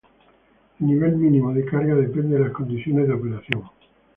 El nivel mínimo de carga depende de las condiciones de operación.